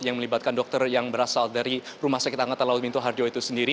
yang melibatkan dokter yang berasal dari rumah sakit angkatan laut minto harjo itu sendiri